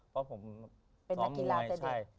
เพราะผมเป็นนักกีฬาเป็น